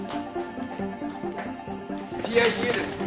ＰＩＣＵです。